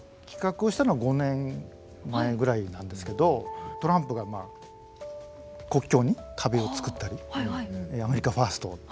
企画をしたのは５年前ぐらいなんですけどトランプが国境に壁をつくったりアメリカ・ファーストっていうことで。